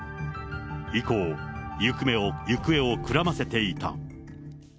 以降、行方をくらませていた。